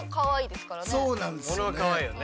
そうなんですよね。